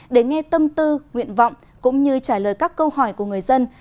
để nghe tâm tư nguyện vọng cũng như trả lời các câu hỏi của người dân